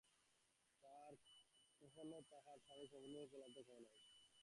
তখনো তাহার স্বামী সম্পূর্ণরূপে পলাতক হয় নাই।